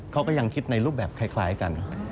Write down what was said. เขาก็ยังคิดในรูปแบบคล้ายกัน